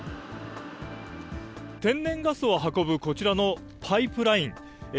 天然ガスを運ぶこちらのパイプライン。